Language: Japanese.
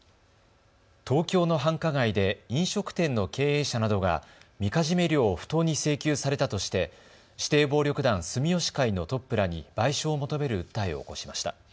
東京の繁華街で飲食店の経営者などがみかじめ料を不当に請求されたとして指定暴力団、住吉会のトップらに賠償を求める訴えを起こしました。